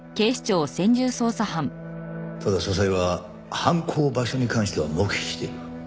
ただ笹井は犯行場所に関しては黙秘している。